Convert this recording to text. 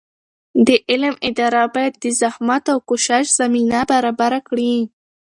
د علم اداره باید د زحمت او کوشش زمینه برابره کړي.